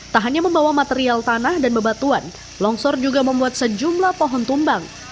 tak hanya membawa material tanah dan bebatuan longsor juga membuat sejumlah pohon tumbang